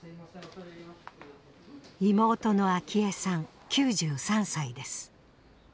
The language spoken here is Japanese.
妹のアキヱさん９３歳です。